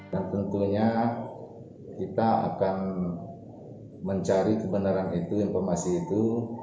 tentunya kita akan mencari kebenaran itu informasi itu